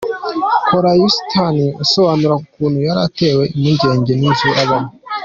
Karora Yustina asobanura ukuntu yari atewe impungenge n'inzu abamo.